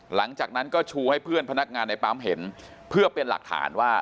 หลังจากนั้นก็ชูให้เพื่อนพนักงานในปั๊มเห็นเพื่อเป็นหลักฐานว่า